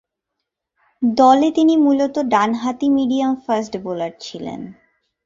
দলে তিনি মূলতঃ ডানহাতি মিডিয়াম ফাস্ট বোলার ছিলেন।